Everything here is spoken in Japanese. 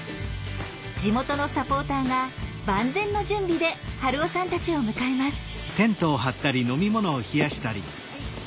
地元のサポーターが万全の準備で春雄さんたちを迎えます。